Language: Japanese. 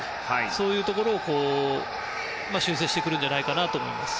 そういうところを修正してくるんじゃないかと思います。